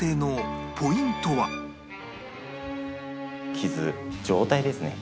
傷状態ですね。